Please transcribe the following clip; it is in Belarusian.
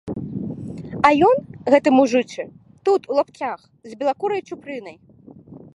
А ён, гэты мужычы, тут, у лапцях, з белакурай чупрынай.